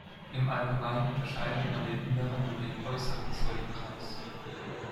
Im Allgemeinen unterscheidet man den inneren und den äußeren Soddy-Kreis.